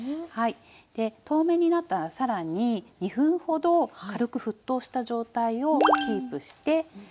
で透明になったらさらに２分ほど軽く沸騰した状態をキープして溶かして下さい。